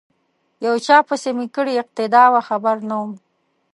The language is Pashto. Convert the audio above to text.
یو چا پسې می کړې اقتدا وه خبر نه وم